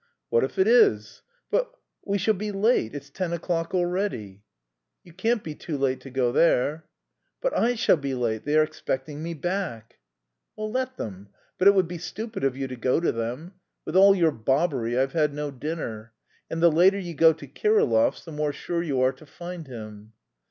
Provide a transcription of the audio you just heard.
"What if it is?" "But... we shall be late. It's ten o'clock already." "You can't be too late to go there." "But I shall be late! They are expecting me back." "Well, let them; but it would be stupid of you to go to them. With all your bobbery I've had no dinner. And the later you go to Kirillov's the more sure you are to find him."